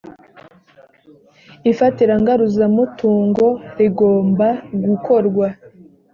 ifatira ngaruzamutungo rigomba gukorwa